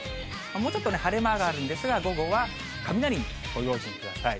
もうちょっとね、晴れ間があるんですが、午後は雷にご用心ください。